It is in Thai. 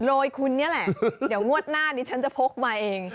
โดยคุณนี่แหละเดี๋ยวงวดหน้าดิฉันจะพกมาเอง